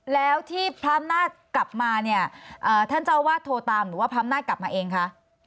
แล้วที่พระอำนาจกลับมาเนี่ยท่านเจ้าวาดโทรตามหรือว่าพระอำนาจกลับมาเองคะ